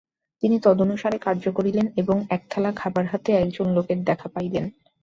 তিনি তদনুসারে কার্য করিলেন এবং এক থালা খাবার হাতে একজন লোকের দেখা পাইলেন।